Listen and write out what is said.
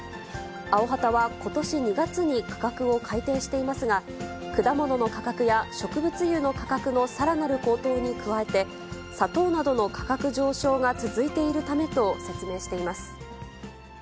アヲハタはことし２月に価格を改定していますが、果物の価格や植物油の価格のさらなる高騰に加えて、砂糖などの価格上昇が続いているためと説明しています。